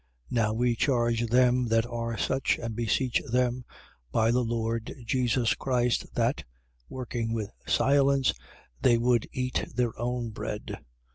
3:12. Now we charge them that are such and beseech them by the Lord Jesus Christ that, working with silence, they would eat their own bread.